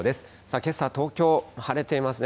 けさ、東京、晴れていますね。